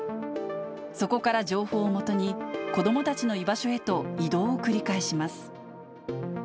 そこから情報をもとに、子どもたちの居場所へと移動を繰り返します。